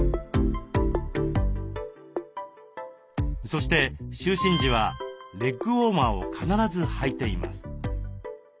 そして就寝時はレッグウォーマーを必ずはいています。